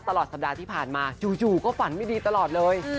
ตลอดสัปดาห์ที่ผ่านมาจู่ก็ฝันไม่ดีตลอดเลย